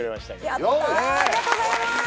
やったありがとうございます